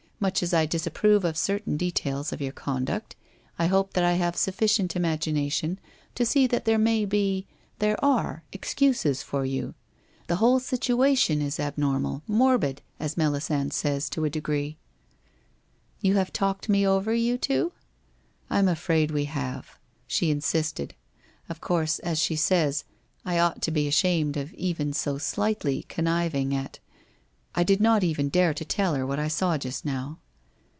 Much as I disapprove of certain details of your conduct, I hope that I have sufficient imagination to see that there may be — there are — excuses for you. The whole situation is abnormal, morbid, as Melisande says, to a degree/ ' You have talked me over, you two? ' 'I am afraid we have. She insisted. Of course, as she says, I ought to be ashamed of even so slightly, conniving at I did not even dare to tell her what I saw just now